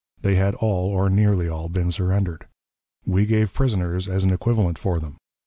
They had all, or nearly all, been surrendered. We gave prisoners as an equivalent for them.